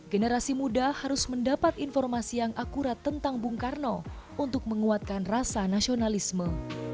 generasi muda harus mendapat informasi yang akurat tentang bung karno untuk menguatkan rasa nasionalisme